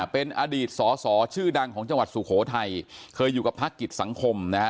เป็นอดีตสอสอชื่อดังของจังหวัดสุโขทัยเคยอยู่กับพักกิจสังคมนะฮะ